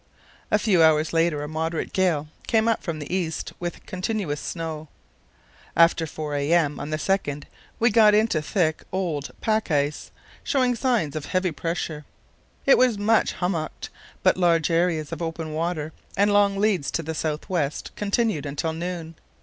A few hours later a moderate gale came up from the east, with continuous snow. After 4 a.m. on the 2nd we got into thick old pack ice, showing signs of heavy pressure. It was much hummocked, but large areas of open water and long leads to the south west continued until noon.